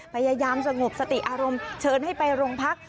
พยายามสงบสติอารมณ์เชิญให้ไปโรงพัก